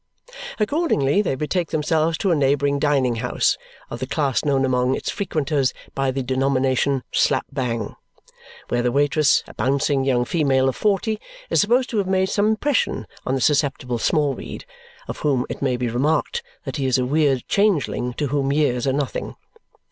Accordingly they betake themselves to a neighbouring dining house, of the class known among its frequenters by the denomination slap bang, where the waitress, a bouncing young female of forty, is supposed to have made some impression on the susceptible Smallweed, of whom it may be remarked that he is a weird changeling to whom years are nothing.